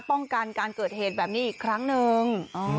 ป้องกันการเกิดเหตุแบบนี้อีกครั้งนึง